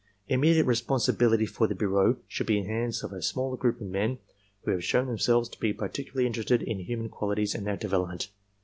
Immediate responsibility for the bureau should be in the hands of a smaller group of men who have shown themselves to be particularly interested in human quali ties and their development.